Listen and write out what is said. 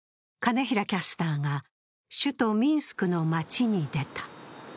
金平キャスターが首都ミンスクの街に出た。